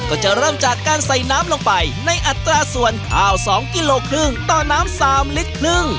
ก็จะเริ่มจากการใส่น้ำลงไปในอัตราส่วนข้าว๒กิโลครึ่งต่อน้ำ๓ลิตรครึ่ง